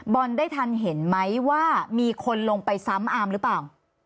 ได้ทันเห็นไหมว่ามีคนลงไปซ้ำอามหรือเปล่า